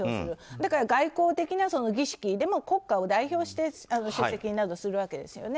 だから、外交的な儀式でも国家を代表して出席などをするわけですよね。